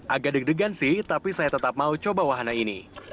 agak deg degan sih tapi saya tetap mau coba wahana ini